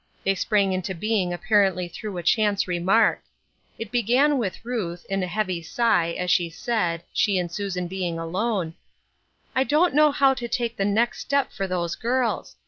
They sprang into being apparently through a chance remark. It began with Ruth, in a heavy sigh, as she said, she and Susan being alone :" 1 don't know how to take the next step for those girls.